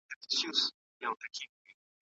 سالم ذهن غوسه نه راوړي.